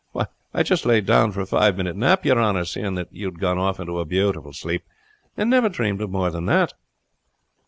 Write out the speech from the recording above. I just laid down for five minutes' nap, your honor, seeing that you had gone off into a beautiful sleep, and never dreamed of more than that."